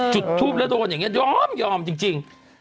จุดทูปแล้วโดนอย่างนี้ยอมจริง